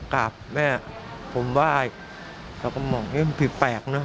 เราก็บอกมึงผิดแปลกเนอะ